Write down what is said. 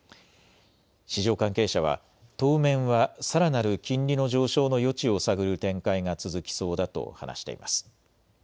市場関係者は当面はさらなる金利の上昇の余地を探る展開が続きそうだと話しています。